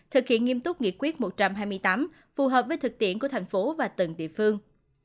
thực hiện nghiêm túc nghị quyết một trăm hai mươi tám phù hợp với thực tiễn của thành phố và từng địa phương